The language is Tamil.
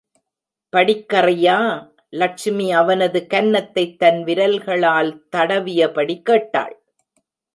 படிக்கறியா? லட்சுமி அவனது கன்னத்தைத் தன் விரல்களால் தடவியபடி கேட்டாள்.